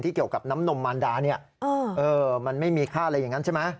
เกี่ยวกับน้ำนมมารดาเนี่ยมันไม่มีค่าอะไรอย่างนั้นใช่ไหม